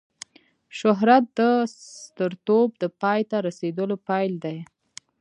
شهرت د سترتوب د پای ته رسېدلو پیل دی.